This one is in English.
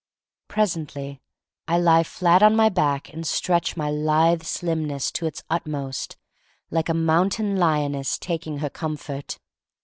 Presently I lie flat on my back and stretch my lithe slimness to its utmost like a mountain lioness taking her com fort.